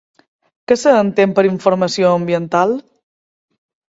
Què s'entén per informació ambiental?